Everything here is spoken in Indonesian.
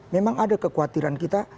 memang ada kekhawatiran kita